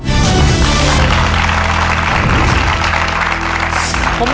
ขอบคุณครับ